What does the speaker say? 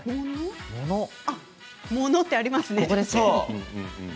もの、ってありますね。